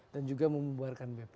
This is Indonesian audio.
dan juga membuarkan bp